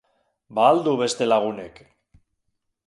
Ba al du beste lagunik?